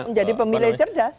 menjadi pemilih cerdas